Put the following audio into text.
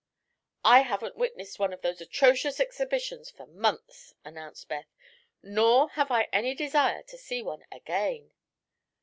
"I haven't witnessed one of those atrocious exhibitions for months," announced Beth; "nor have I any desire to see one again."